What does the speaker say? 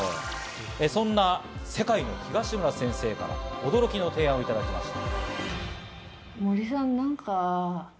そんな世界の東村先生から驚きの提案をいただきました。